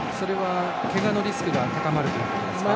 けがのリスクが高まるということですか。